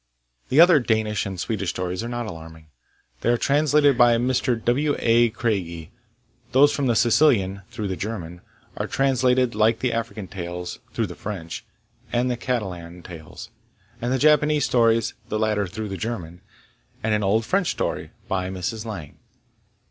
The other Danish and Swedish stories are not alarming. They are translated by Mr. W. A. Craigie. Those from the Sicilian (through the German) are translated, like the African tales (through the French) and the Catalan tales, and the Japanese stories (the latter through the German), and an old French story, by Mrs. Lang.